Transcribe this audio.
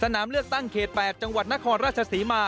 นามเลือกตั้งเขต๘จังหวัดนครราชศรีมา